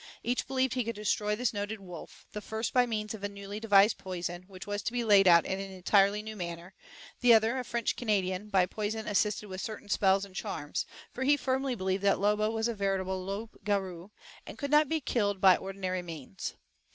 Each believed he could destroy this noted wolf, the first by means of a newly devised poison, which was to be laid out in an entirely new manner; the other a French Canadian, by poison assisted with certain spells and charms, for he firmly believed that Lobo was a veritable "loup garou," and could not be killed by ordinary means.